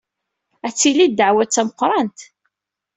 Ad tili ddeɛwa d tameqrant.